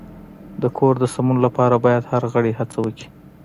د کور د سمون لپاره باید هر غړی هڅه وکړي.